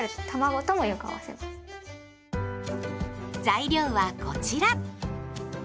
材料はこちら。